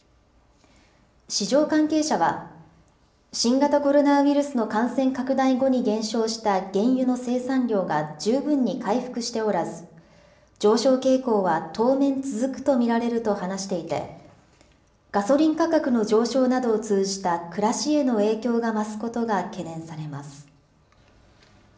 市場関係者は、新型コロナウイルスの感染拡大後に減少した原油の生産量が十分に回復しておらず、上昇傾向は当面続くと見られると話していて、ガソリン価格の上昇などを通じた暮らしへの影響が増すことが懸念されます。